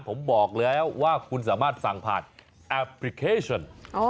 ผมบอกแล้วว่าคุณสามารถสั่งผ่านแอปพลิเคชัน